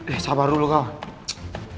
eh sabar dulu kawan